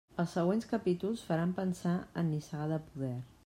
Els següents capítols faran pensar en Nissaga de poder.